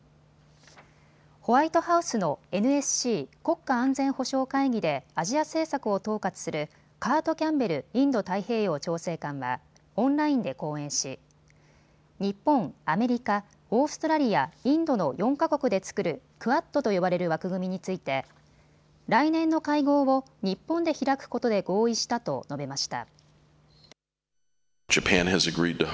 ホワイトハウスのＮＳＣ・国家安全保障会議でアジア政策を統括するカート・キャンベルインド太平洋調整官はオンラインで講演し、日本、アメリカ、オーストラリア、インドの４か国で作るクアッドと呼ばれる枠組みについて来年の会合を日本で開くことで合意したと述べました。